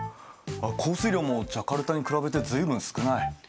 降水量もジャカルタに比べて随分少ない。